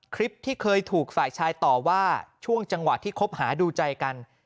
คลิปที่เคยถูกฝ่ายชายต่อว่าช่วงจังหวะที่คบหาดูใจกัน